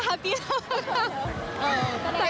ฮัปตีแล้วค่ะ